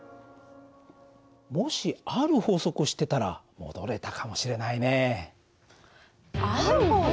もしある法則を知ってたら戻れたかもしれないね。